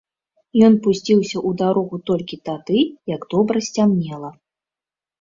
Ён пусціўся ў дарогу толькі тады, як добра сцямнела.